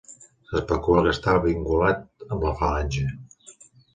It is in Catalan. S’especula que estava vinculat amb la Falange.